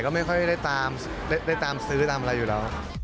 ก็ไม่ค่อยได้ตามซื้อตามอะไรอยู่แล้ว